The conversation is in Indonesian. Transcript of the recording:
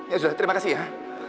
ya sudah terima kasih ya